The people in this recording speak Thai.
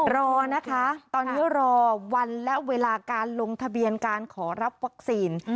รอนะคะตอนนี้รอวันและเวลาการลงทะเบียนการขอรับวัคซีน